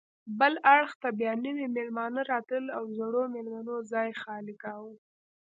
بل اړخ ته بیا نوي میلمانه راتلل او زړو میلمنو ځای خالي کاوه.